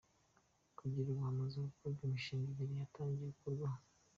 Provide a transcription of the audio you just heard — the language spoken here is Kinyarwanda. Kugeza ubu hamaze gukorwa imishinga ibiri yatangiye gukorwaho.